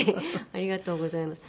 ありがとうございます。